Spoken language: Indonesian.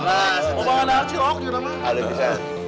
nah ngomong anak aja ya om juga mbah